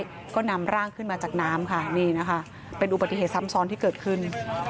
แล้วก็นำร่างขึ้นมาจากน้ำค่ะนี่นะคะเป็นอุบัติเหตุซ้ำซ้อนที่เกิดขึ้น